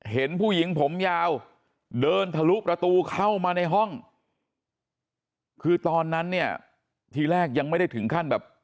เห็นผู้หญิงผมยาวเดินทะลุประตูเข้ามาในห้องคือตอนนั้นเนี่ยทีแรกยังไม่ได้ถึงขั้นแบบ